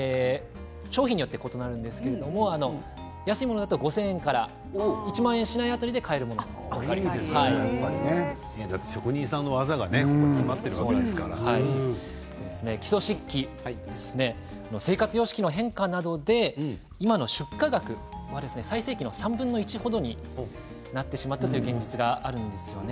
商品によって異なるんですけれど安いものだと５０００円から１万円辺りで買える職人さんの技が木曽漆器生活様式の変化などで今の出荷額は最盛期の３分の１程になってしまったという現実があるんですよね。